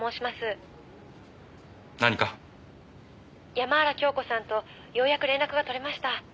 「山原京子さんとようやく連絡が取れました」